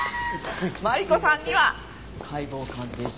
マリコさんには解剖鑑定書。